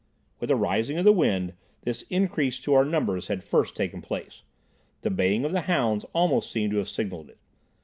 With the rising of the wind this increase to our numbers had first taken place. The baying of the hounds almost seemed to have signalled it.